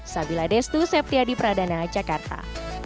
sabila destu septya di pradana jakarta